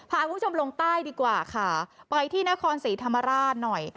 พาคุณผู้ชมลงใต้ดีกว่าค่ะไปที่นครศรีธรรมราชหน่อย